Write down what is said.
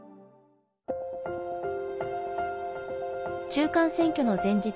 中間選挙の前日